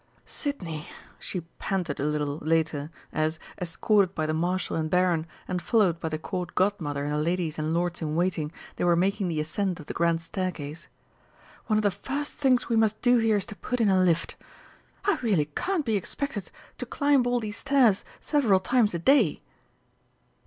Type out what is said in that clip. "Sidney," she panted a little later as, escorted by the Marshal and Baron, and followed by the Court Godmother and the ladies and lords in waiting, they were making the ascent of the grand staircase, "one of the first things we must do here is to put in a lift. I really can't be expected to climb all these stairs several times a day!"